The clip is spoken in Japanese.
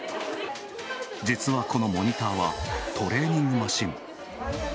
実はこのモニターはトレーニングマシン。